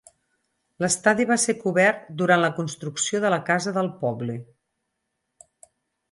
L'estadi va ser cobert durant la construcció de la Casa del Poble.